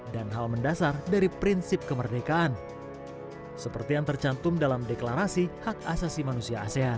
dan hal mendasar dari prinsip kemerdekaan seperti yang tercantum dalam deklarasi hak asasi manusia asean